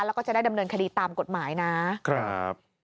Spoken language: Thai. แล้วก็จะได้ดำเนินคดีตามกฎหมายนะครับ